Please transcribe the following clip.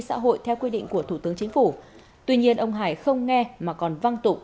xã hội theo quy định của thủ tướng chính phủ tuy nhiên ông hải không nghe mà còn văng tục